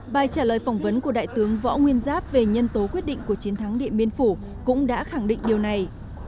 bài trả lời phỏng vấn của đại tướng võ nguyên giáp về nhân tố quyết định của chiến thắng điện biên phủ cũng đã khẳng định điều này